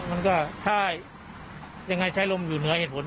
มันก็ถ้ายังไงใช้ลมอยู่เหนือเหตุผล